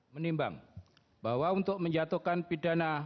menimbang bahwa untuk menjatuhkan pidana